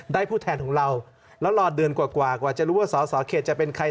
ผู้แทนของเราแล้วรอเดือนกว่ากว่าจะรู้ว่าสอสอเขตจะเป็นใคร